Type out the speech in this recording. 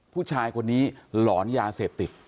ผู้ชายคนนี้หลอนยาเสพติด